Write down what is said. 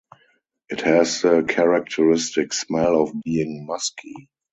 It has the characteristic smell of being "Musky".